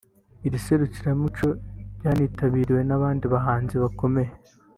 Iri serukiramuco ryanitabiriwe n’abandi bahanzi bakomeye